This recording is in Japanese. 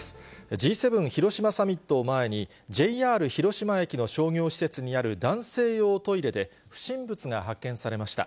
Ｇ７広島サミットを前に、ＪＲ広島駅の商業施設にある男性用トイレで、不審物が発見されました。